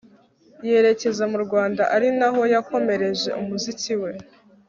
yerekeza mu rwanda ari naho yakomereje umuziki we